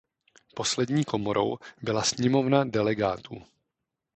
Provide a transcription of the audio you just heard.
Poslední komorou byla Sněmovna delegátů.